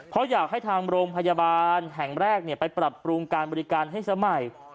เพราะอยากให้ทางโรงพยาบาลแห่งแรกไปปรับปรุงการบริการให้สมัย